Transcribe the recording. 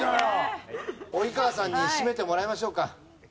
及川さんに締めてもらいましょうか。